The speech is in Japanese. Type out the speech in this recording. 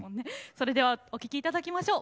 それではお聴きいただきましょう。